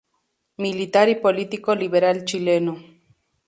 Militar y político liberal chileno.